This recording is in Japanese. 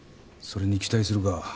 それに期待するか。